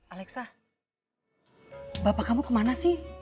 alexa bapak kamu kemana sih